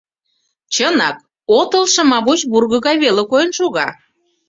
Чынак, отыл шымавуч вурго гай веле койын шога.